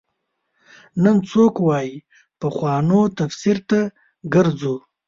نن څوک وايي پخوانو تفسیر ته ګرځو.